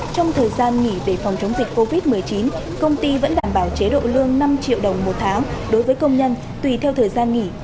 trong thời gian nghỉ về phòng chống dịch covid một mươi chín công ty vẫn đảm bảo chế độ lương năm triệu đồng một tháng đối với công nhân tùy theo thời gian nghỉ